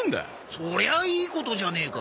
そりゃあいいことじゃねえか。